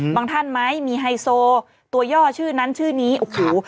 ท่านไหมมีไฮโซตัวย่อชื่อนั้นชื่อนี้โอ้โห